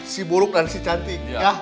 si buruk dan si cantik